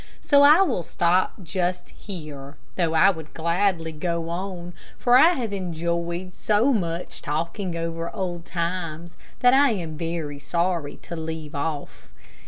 So I will stop just here, though I would gladly go on, for I have enjoyed so much talking over old times, that I am very sorry to leave off.